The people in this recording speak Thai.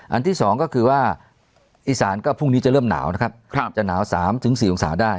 ที่๒ก็คือว่าอีสานก็พรุ่งนี้จะเริ่มหนาวนะครับจะหนาว๓๔องศาได้